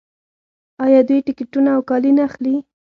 آیا دوی ټکټونه او کالي نه اخلي؟